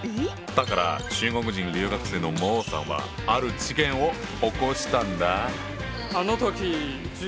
だから中国人留学生の孟さんはある事件を起こしたんだ。